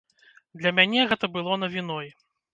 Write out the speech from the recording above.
Для мяне гэта было навіной.